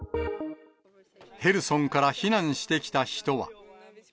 ヘルソンから避難してきた人は。